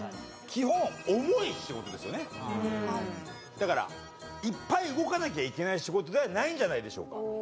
だからいっぱい動かなきゃいけない仕事ではないんじゃないでしょうか？